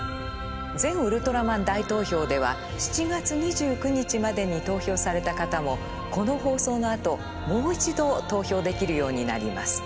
「全ウルトラマン大投票」では７月２９日までに投票された方もこの放送のあともう一度投票できるようになります。